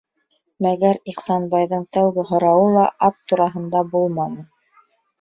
Мәгәр Ихсанбайҙың тәүге һорауы ла ат тураһында булманы: